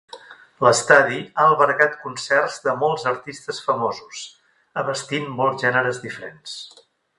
L'estadi ha albergat concerts de molts artistes famosos, abastint molts gèneres diferents.